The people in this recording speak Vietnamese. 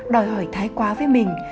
đòi hỏi thái quá với mình